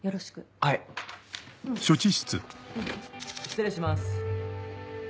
・失礼します